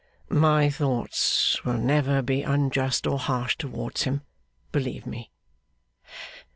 'My thoughts will never be unjust or harsh towards him, believe me.